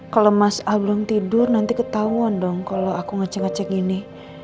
kalo mas al belum tidur nanti ketauan dong kalo aku ngecek ngecek gini